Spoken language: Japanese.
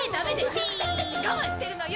ワタシだって我慢してるのよ！